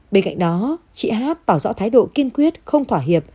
bên cạnh đó chị hát tỏ rõ thái độ kiên quyết không thỏa hiệp